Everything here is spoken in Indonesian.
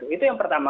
itu yang pertama